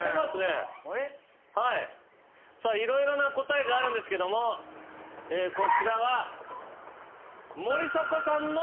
色々な答えがあるんですけどもこちらは。